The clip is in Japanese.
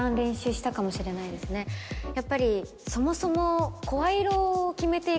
やっぱりそもそも。